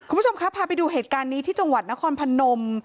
คุณผู้ชมครับพาไปดูเหตุการณ์นี้ที่จังหวัดนครพนม